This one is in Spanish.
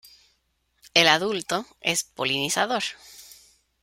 El adulto es polinizador.